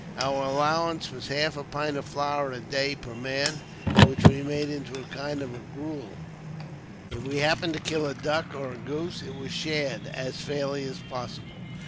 Our allowance was half a pint of flour a day per man, which we made into a kind of gruel ; if we happened to kill a duck or a goose, it was shared as fairly as possible.